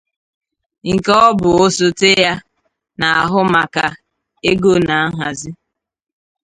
nke ọ bụ osote ya na-ahụ maka ego na nhàzi